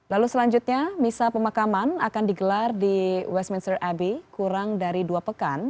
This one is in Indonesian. lalu selanjutnya misa pemakaman akan digelar di westminster abbey kurang dari dua pekan